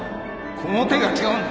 この手が違うんだ。